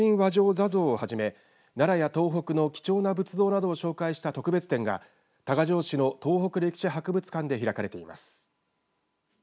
坐像をはじめ奈良や東北の貴重な仏像などを紹介した特別展が多賀城市の東北歴史博物館で開かれています。